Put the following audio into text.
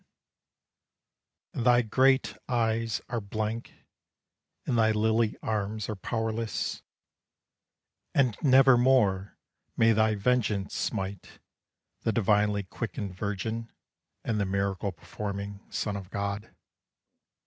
And thy great eyes are blank, And thy lily arms are powerless, And nevermore may thy vengeance smite The divinely quickened Virgin, And the miracle performing son of God.